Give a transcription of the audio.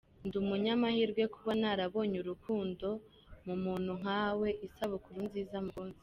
Ndi umunyamahirwe kuba narabonye urukundo mu muntu nkawe, isabukuru nziza mukunzi.